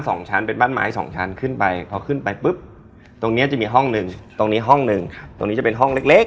ก็จำได้ว่าห้องเป็น๒เตียงแยก